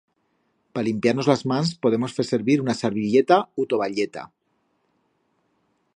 Pa limpiar-nos las mans podemos fer servir una sarvilleta u tovalleta.